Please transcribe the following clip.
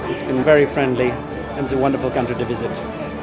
ini sangat baik dan negara yang menaruh harapan